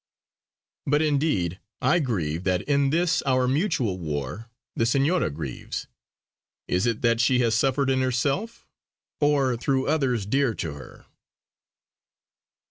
But, indeed, I grieve that in this our mutual war the Senora grieves. Is it that she has suffered in herself, or through others dear to her?"